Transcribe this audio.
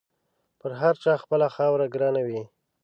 پر هر چا خپله خاوره ګرانه وي.